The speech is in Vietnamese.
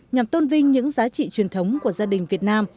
nhằm tôn vinh những giá trị truyền thống của gia đình việt nam